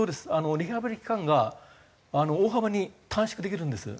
リハビリ期間が大幅に短縮できるんです。